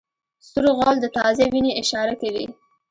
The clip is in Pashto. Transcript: سور غول د تازه وینې اشاره کوي.